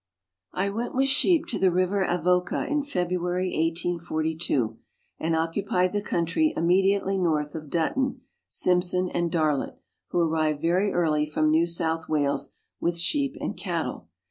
I went with sheep to the River Avoca in February 1842, and occupied the country immediately north of Button, Simson, and Darlot, who arrived very early from New South Wales with sheep and cattle.